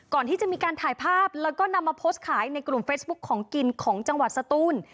ก่อนที่จะมีการถ่ายภาพแล้วก็นำมาโพสต์ขายในกลุ่มเฟซบุ๊คของกินของจังหวัดสตูน